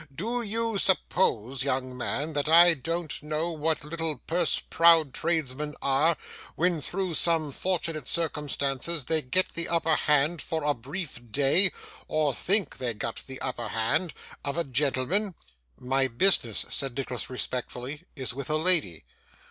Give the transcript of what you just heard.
Do you suppose, young man, that I don't know what little purse proud tradesmen are, when, through some fortunate circumstances, they get the upper hand for a brief day or think they get the upper hand of a gentleman?' 'My business,' said Nicholas respectfully, 'is with a lady.